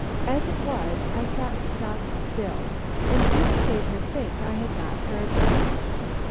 As it was I sat stock still, and even made her think I had not heard her.